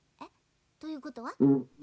ということは？